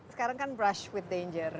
sekarang kan brush with danger